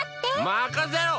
まかせろ！